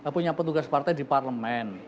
punya petugas partai di parlemen